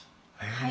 はい。